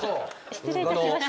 失礼いたしました。